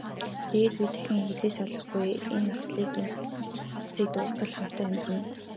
Тэгээд бид дахин хэзээ ч салахгүй, энэ насыг дуустал хамтдаа амьдарна.